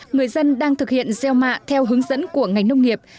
người dân đang thực hiện gieo mạ theo hướng dẫn của ngành nông nghiệp